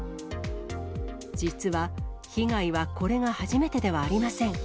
実は、被害はこれが初めてではありません。